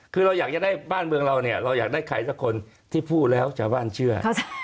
คือเราอยากจะได้บ้านเมืองเราเนี่ยเราอยากได้ใครสักคนที่พูดแล้วชาวบ้านเชื่อ